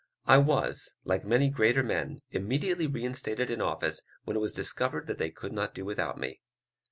I was, like many greater men, immediately reinstated in office when it was discovered that they could not do without me.